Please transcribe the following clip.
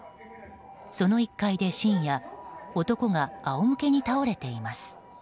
その１階で深夜、男が仰向けに倒れています。